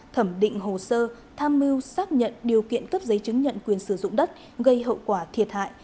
thẩm định hồ sơ tham mưu xác nhận điều kiện cấp giấy chứng nhận quyền sử dụng đất gây hậu quả thiệt hại